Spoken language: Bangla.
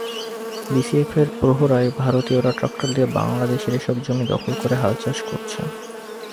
বিএসএফের প্রহরায় ভারতীয়রা ট্রাক্টর দিয়ে বাংলাদেশের এসব জমি দখল করে হালচাষ করছে।